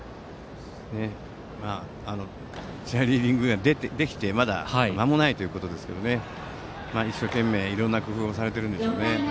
チアリーディング部ができまだ間もないということですが一生懸命いろんな工夫をされているんでしょうね。